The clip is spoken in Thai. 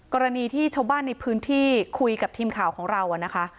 กรณีที่ชาวบ้านในพื้นที่คุยกับทีมข่าวของเรานะคะ